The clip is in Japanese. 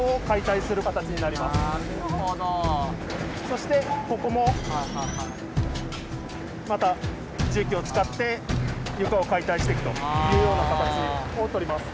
そしてここもまた重機を使って床を解体していくというような形をとります。